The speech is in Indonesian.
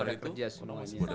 orang muda kerja semuanya